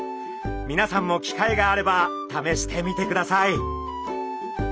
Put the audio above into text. みなさんも機会があればためしてみてください。